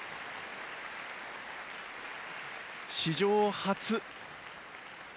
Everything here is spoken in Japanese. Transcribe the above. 史上初。